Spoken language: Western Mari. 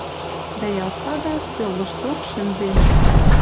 Дӓ йӓл сага стӧл лошток шӹнзен.